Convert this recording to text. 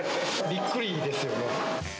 びっくりですよね。